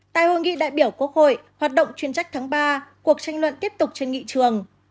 tại hội nghị đại biểu quốc hội hoạt động chuyên trách tháng ba cuộc tranh luận tiếp tục trên nghị trường